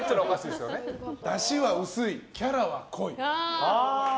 だしは薄い、キャラは濃い。